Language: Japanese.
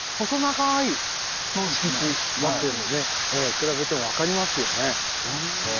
比べても分かりますよね。